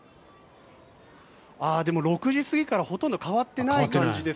６時過ぎからほとんど変わっていない感じです。